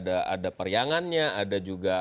ada peryangannya ada juga